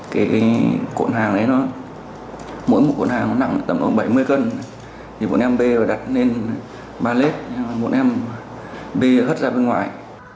cái cộn hàng đấy mỗi một cộn hàng nặng tầm bảy mươi cân bọn em bê và đặt lên bà lết bọn em bê và hất ra bên ngoài